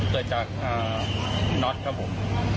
เกิดจากน็อตครับผม